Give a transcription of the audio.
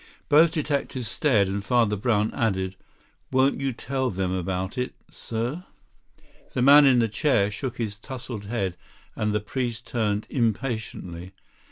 Both detectives stared, and Father Brown added: "Won't you tell them about it, sir?" The man on the chair shook his tousled head, and the priest turned impatiently.